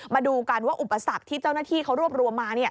มาดูกันว่าอุปสรรคที่เจ้าหน้าที่เขารวบรวมมา